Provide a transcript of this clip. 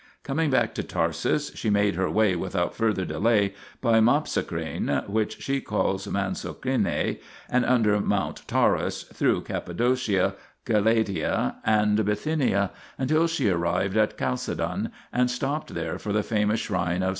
Coming back to Tarsus she made her way without further delay by Mopsocrene (which she calls Mansocrenae) and under Mount Taurus through Cappadocia, Galatia and Bithynia, until she arrived at Chalcedon, and stopped there for the famous shrine of S.